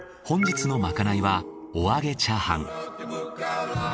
本日のまかないはお揚げチャーハン。